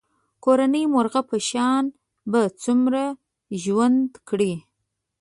کورني مرغه په شان به څومره ژوند کړې.